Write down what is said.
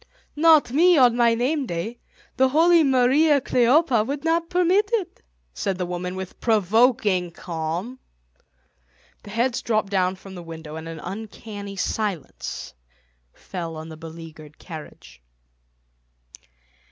"Not me, on my name day. The holy Mariä Kleophä would not permit it," said the woman with provoking calm. The heads dropped down from the window and an uncanny silence fell on the beleaguered carriage.